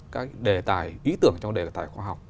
các đề tài ý tưởng trong đề tài khoa học